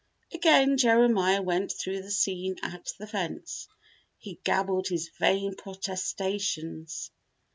Again Jeremiah went through the scene at the fence. He gabbled his vain protestations.